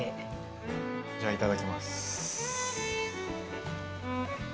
じゃあいただきます。